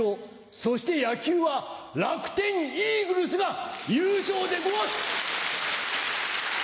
そして野球は楽天イーグルスが優勝でごんす！